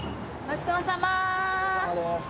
ごちそうさまです。